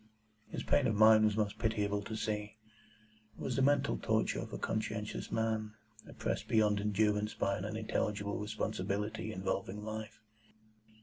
His pain of mind was most pitiable to see. It was the mental torture of a conscientious man, oppressed beyond endurance by an unintelligible responsibility involving life.